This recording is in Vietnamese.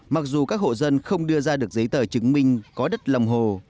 mặc dù các hộ dân không đưa ra được giấy tờ chứng minh có đất lòng hồ